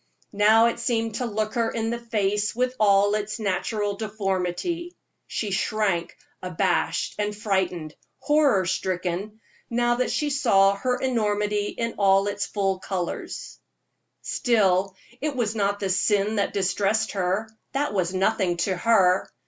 Now it seemed to look her in the face with all its natural deformity. She shrunk abashed and frightened horror stricken now that she saw her enormity in its full colors. Still, it was not the sin that distressed her; that was nothing to her.